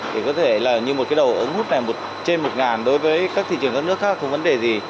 thì có thể là như một cái đầu ống hút này trên một ngàn đối với các thị trường các nước khác không vấn đề gì